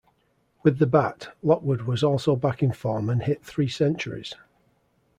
With the bat, Lockwood was also back in form and hit three centuries.